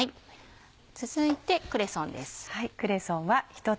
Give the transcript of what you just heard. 続いてクレソンです。